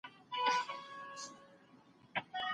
موږ کولای سو د اوږده اتڼ لپاره ډوډۍ راوړو.